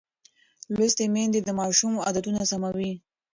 لوستې میندې د ماشوم عادتونه سموي.